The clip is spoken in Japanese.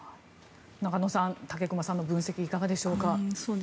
中野さん、武隈さんの分析いかがでしょうか？